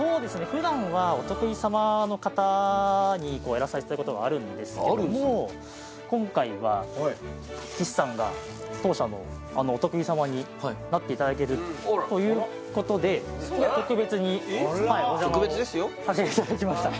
普段はお得意様の方にこうやらさせていただくことはあるんですけども今回は岸さんが当社のお得意様になっていただけるということで特別にお邪魔を特別ですよさせていただきました